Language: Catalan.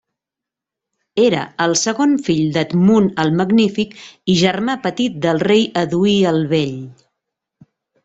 Era el segon fill d'Edmund el Magnífic i germà petit del rei Eduí el Bell.